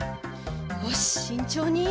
よししんちょうに。